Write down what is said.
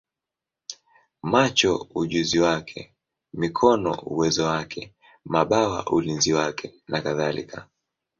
macho ujuzi wake, mikono uwezo wake, mabawa ulinzi wake, nakadhalika.